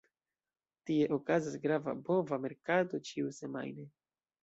Tie okazas grava bova merkato ĉiusemajne.